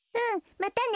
またね